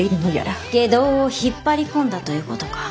外道を引っ張り込んだということか。